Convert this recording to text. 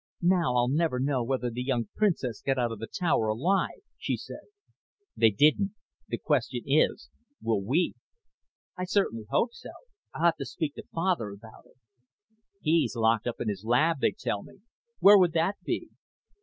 "Now I'll never know whether the young princes got out of the tower alive," she said. "They didn't. The question is, will we?" "I certainly hope so. I'll have to speak to Father about it." "He's locked up in his lab, they tell me. Where would that be?"